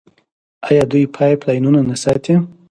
آیا دوی پایپ لاینونه نه ساتي؟